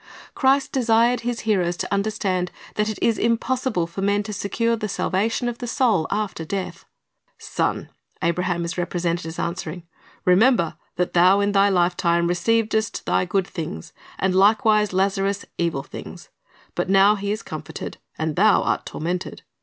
Christ desired His hearers to understand that it is impos sible for men to secure the salvation of the soul after death. "Son," Abraham is represented as answering, "remember that thou in thy lifetime receivedst thy good things, and likewise Lazarus evil things; but now he is comforted, and thou art tormented.